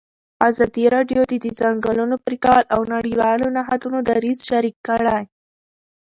ازادي راډیو د د ځنګلونو پرېکول د نړیوالو نهادونو دریځ شریک کړی.